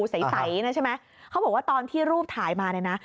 ใสนะใช่ไหมเขาบอกว่าตอนที่รูปถ่ายมาเนี่ยนะ